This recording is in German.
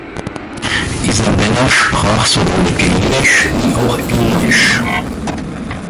Isabella sprach sowohl Gälisch wie auch Englisch.